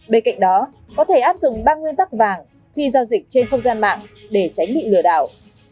bên cạnh đó có thể áp dụng ba nguyên tắc vàng khi giao dịch trên không gian mạng để tránh bị lừa đảo